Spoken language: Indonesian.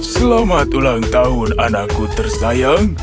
selamat ulang tahun anakku tersayang